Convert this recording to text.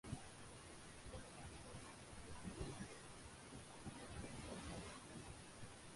যুবক বয়সে তার বাবা-মা বিবাহবিচ্ছেদ করেছিলেন।